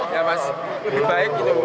ya mas lebih baik gitu